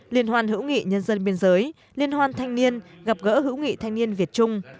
liên hoan hữu nghị nhân dân biên giới liên hoan thanh niên gặp gỡ hữu nghị thanh niên việt trung